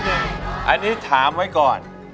ผมถามคุณฟ้านิดหนึ่งอันนี้ถามไว้ก่อน